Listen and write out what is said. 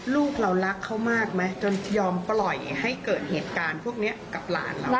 ลูกเรารักเขามากไหมจนยอมปล่อยให้เกิดเหตุการณ์พวกนี้กับหลานเรา